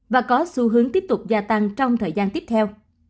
và có xu hướng tiếp tục gia tăng trong thời gian tiếp theo